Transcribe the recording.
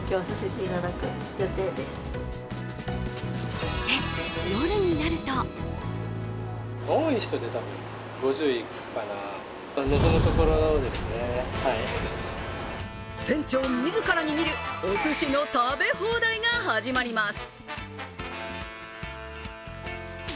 そして、夜になると店長自ら握るおすしの食べ放題が始まります。